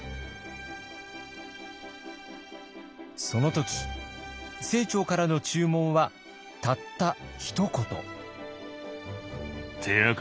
その時清張からの注文はたったひと言。